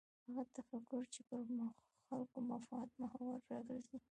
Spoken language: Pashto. هغه تفکر چې پر خلکو مفاد محور راګرځي.